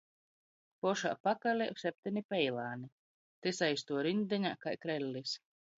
Pošā pakalē septeni peilāni — tys aiz tuo riņdeņā kai krellis.